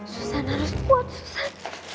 susan harus buat susan